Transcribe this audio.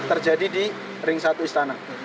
terjadi di ring satu istana